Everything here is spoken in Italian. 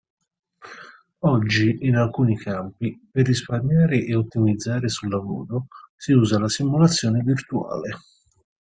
Oggi, in alcuni campi, per risparmiare e ottimizzare sul lavoro si usa la simulazione virtuale.